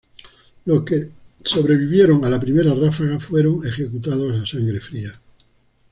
Los que sobrevivieron a la primera ráfaga fueron ejecutados a sangre fría.